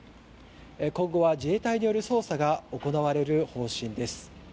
今後は、自衛隊による捜査が行われる方針です。